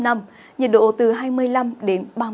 nhiệt độ từ hai mươi bốn đến hai mươi chín độ